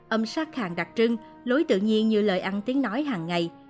âm sắc hàng đặc trưng lối tự nhiên như lời ăn tiếng nói hàng ngày